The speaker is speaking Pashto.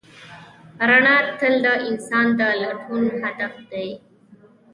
رڼا تل د انسان د لټون هدف دی.